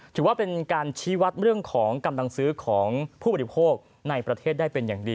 ถือว่าเป็นการชี้วัดเรื่องของกำลังซื้อของผู้บริโภคในประเทศได้เป็นอย่างดี